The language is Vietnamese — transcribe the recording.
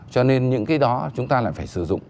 cho nên những cái đó chúng ta lại phải sử dụng